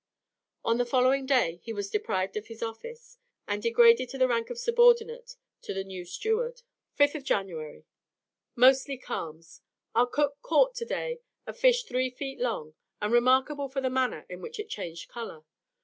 On the following day he was deprived of his office, and degraded to the rank of subordinate to a new steward. 5th January. Mostly calms. Our cook caught, today, a fish three feet long, and remarkable for the manner in which it changed colour.